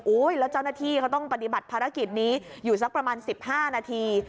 แล้วเจ้าหน้าที่เขาต้องปฏิบัติภารกิจนี้อยู่สักประมาณ๑๕นาที